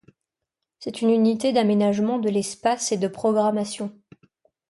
C'est une unité d'aménagement de l'espace et de programmation.